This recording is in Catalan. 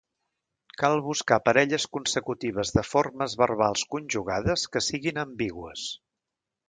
Cal buscar parelles consecutives de formes verbals conjugades que siguin ambigües.